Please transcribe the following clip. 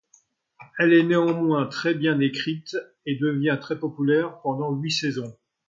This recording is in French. Elle est néanmoins très bien écrite et devient très populaire pendant huit saisons.